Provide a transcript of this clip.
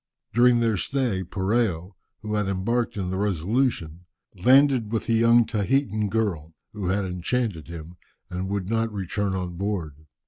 During their stay, Poreo, who had embarked in the Resolution, landed with a young Tahitan girl, who had enchanted him, and would not return on board.